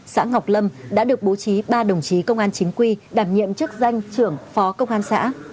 xã ngọc lâm đã được bố trí ba đồng chí công an chính quy đảm nhiệm chức danh trưởng phó công an xã